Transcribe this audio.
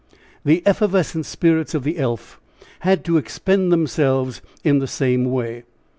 The effervescent spirits of the elf had to expend themselves in the same way.